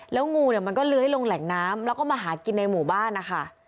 แล้วงูเนี่ยมันก็เลื้อยลงแหล่งน้ำแล้วก็มาหากินในหมู่บ้านนะคะ